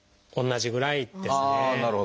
同じぐらいですね。